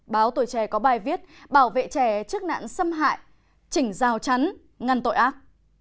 báo tuổi trẻ có bài viết bảo vệ trẻ trước nạn xâm hại chỉnh rào chắn ngăn tội ác